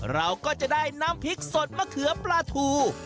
เราก็จะได้น้ำพริกสดมะเขือปลาทู